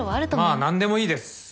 まあ何でもいいです。